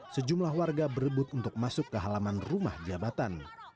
sejumlah warga berebut untuk masuk ke halaman rumah jabatan